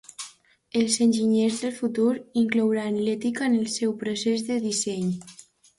Els enginyers del futur inclouran l'ètica en el seu procés de disseny.